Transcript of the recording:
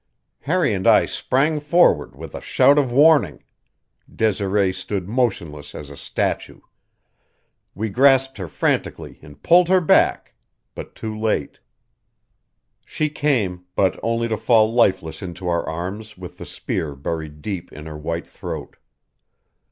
Harry and I sprang forward with a shout of warning; Desiree stood motionless as a statue. We grasped her frantically and pulled her back, but too late. She came, but only to fall lifeless into our arms with the spear buried deep in her white throat.